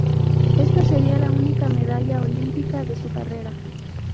Esta sería la única medalla olímpica de su carrera.